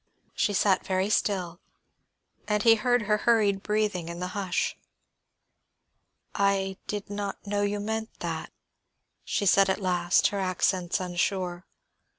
She sat very still, and he heard her hurried breathing in the hush. "I did not know you meant that," she said at last, her accents unsure.